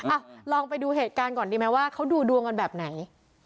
อ่ะลองไปดูเหตุการณ์ก่อนดีไหมว่าเขาดูดวงกันแบบไหน